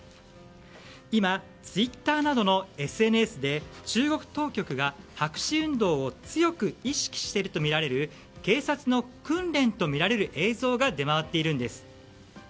今、ツイッターなどのＳＮＳで中国当局が、白紙運動を強く意識しているとみられる警察の訓練とみられる映像が出回っているんです。